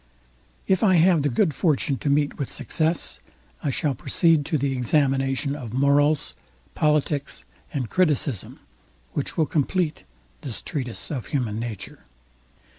If I have the good fortune to meet with success, I shall proceed to the examination of Morals, Politics, and Criticism; which will compleat this Treatise of Human Nature.